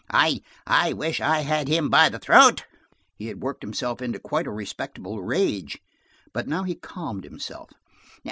I–I wish I had him by the throat!" He had worked himself into quite a respectable rage, but now he calmed himself.